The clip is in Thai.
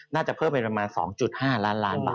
น่าจะเพิ่มไปประมาณ๒๕ล้านบาท